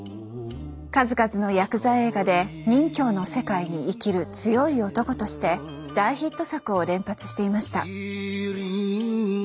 数々のヤクザ映画で仁侠の世界に生きる強い男として大ヒット作を連発していました。